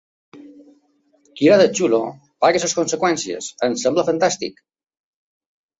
Qui va de ‘xulo’ paga les conseqüències, em sembla fantàstic’